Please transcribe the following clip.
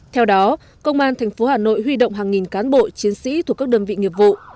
theo đó công an tp hà nội huy động hàng nghìn cán bộ chiến sĩ thuộc các đơn vị nghiệp vụ